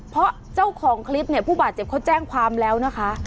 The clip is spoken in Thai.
เพราะเจ้าของคลิปเนี่ยผู้บาดเจ็บเขาแจ้งความแล้วนะคะ